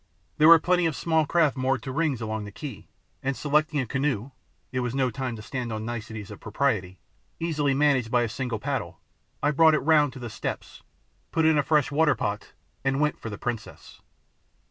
There were plenty of small craft moored to rings along the quay, and selecting a canoe it was no time to stand on niceties of property easily managed by a single paddle, I brought it round to the steps, put in a fresh water pot, and went for the princess.